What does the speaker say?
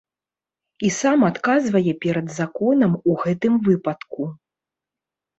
І сам адказвае перад законам у гэтым выпадку.